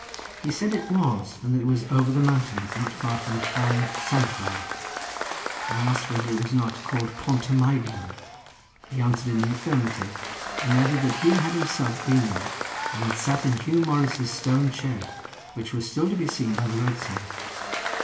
He said it was; and that it was over the mountains not far from Llan Sanfraid. I asked whether it was not called Pont y Meibion. He answered in the affirmative, and added that he had himself been there, and had sat in Huw Morris's stone chair, which was still to be seen by the road's side.